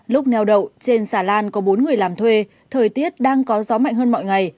lúc neo đậu trên xà lan có bốn người làm thuê thời tiết đang có gió mạnh hơn mọi ngày